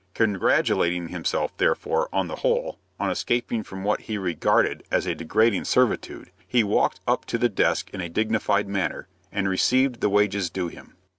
Congratulating himself, therefore, on the whole, on escaping from what he regarded as a degrading servitude, he walked up to the desk in a dignified manner, and received the wages due him.